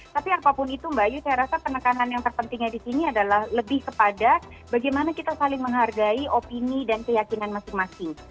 tapi apapun itu mbak ayu saya rasa penekanan yang terpentingnya di sini adalah lebih kepada bagaimana kita saling menghargai opini dan keyakinan masing masing